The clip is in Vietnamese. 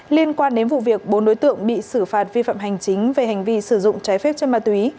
liên quan đến vụ việc bốn đối tượng bị xử phạt vi phạm hành chính về hành vi sử dụng trái phép chân ma túy